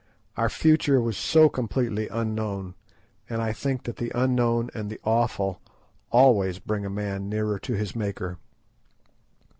Our future was so completely unknown, and I think that the unknown and the awful always bring a man nearer to his Maker.